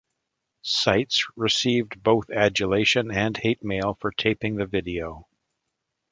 Sites received both adulation and hate mail for taping the video.